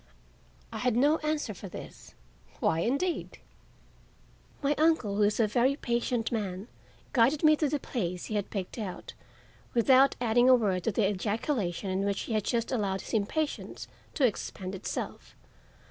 I had no answer for this. Why, indeed! My uncle, who is a very patient man, guided me to the place he had picked out, without adding a word to the ejaculation in which he had just allowed his impatience to expend itself.